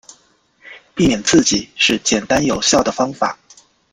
避免刺激是简单有效的方法。